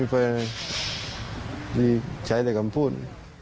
แบบนี้ก็ใช้งานงาน